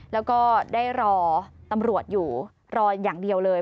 แล้วก็ได้รอตำรวจอยู่รออย่างเดียวเลย